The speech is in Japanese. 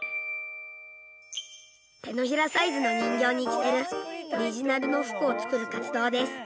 手のひらサイズの人形に着せるオリジナルの服を作る活動です。